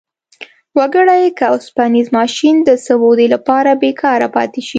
وګورئ که اوسپنیز ماشین د څه مودې لپاره بیکاره پاتې شي.